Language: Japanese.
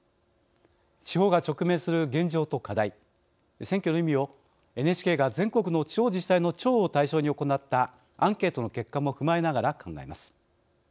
地方が直面する現状と課題選挙の意味を、ＮＨＫが全国の地方自治体の長を対象に行ったアンケートの結果も踏まえながら考えます。